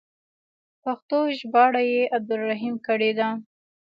پښتو ژباړه یې عبدالرحیم کړې ده.